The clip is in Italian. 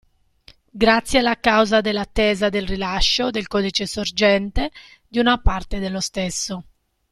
Grazie alla causa dell'attesa del rilascio del codice sorgente di una parte dello stesso.